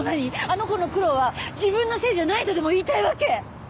あの子の苦労は自分のせいじゃないとでも言いたいわけ？ははっ！